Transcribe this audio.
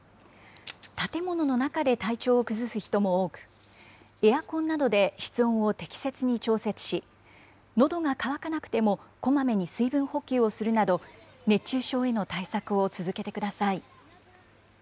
建物の中で体調を崩す人も多く、エアコンなどで室温を適切に調節し、のどが渇かなくてもこまめに水分補給をするなど、熱中症への対策を続けてください。